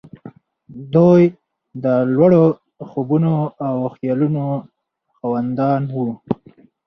دوی د لوړو خوبونو او خيالونو خاوندان وو.